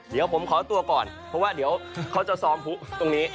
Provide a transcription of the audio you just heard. เดี๋ยวผมขอตัวก่อนเพราะว่าเดี๋ยวเขาจะซ้อมผู้ตรงนี้